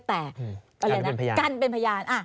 แต่กันเป็นพยาน